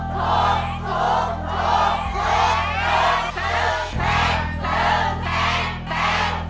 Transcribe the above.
ถูก